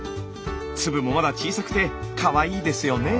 粒もまだ小さくてかわいいですよねぇ。